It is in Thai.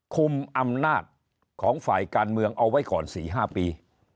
คุมอำนาจของฝ่ายการเมืองเอาไว้ก่อน๔๕ปี